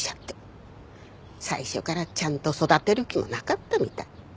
最初からちゃんと育てる気もなかったみたい。